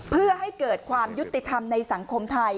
เพื่อให้เกิดความยุติธรรมในสังคมไทย